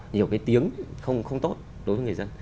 nhiều cái tiếng không tốt đối với người dân